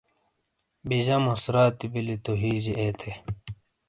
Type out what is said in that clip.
بِیجاموس راتی بِیلی تو ہِیجے اے تھے۔